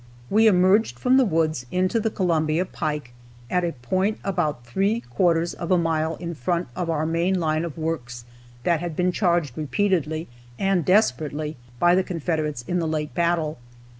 We emerged from the woods into the Columbia pike at a point about three quarters of a mile in front of our main line of works that had been charged repeatedly and desperately by the Confederates in the late battle.